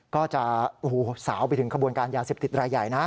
ก็จะสาวไปถึงขบวนการยาเสพติดรายใหญ่นะ